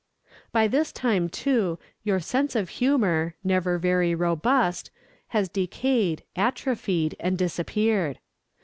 By this time, too, your sense of humor, never very robust, has decayed, atrophied, and disappeared.